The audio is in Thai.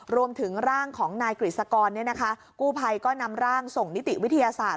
รวมถึงร่างของนายกฤษกรกู้ภัยก็นำร่างส่งนิติวิทยาศาสตร์